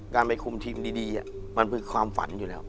การไปคุมทีมดีมันคือความฝันอยู่แล้ว